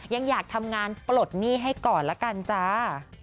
ยังอยากทำงานปลดหนี้ให้ก่อนละกันจ้า